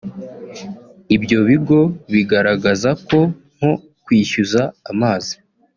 Ibyo bigo bigaragaza ko nko kwishyuza amazi